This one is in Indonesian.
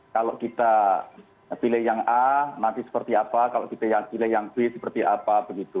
kalau kita pilih yang a nanti seperti apa kalau kita pilih yang b seperti apa begitu